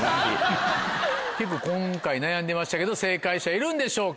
結構今回悩んでましたけど正解者いるんでしょうか。